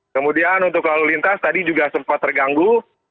kemudian untuk lalu lintas tadi juga sempat terganggu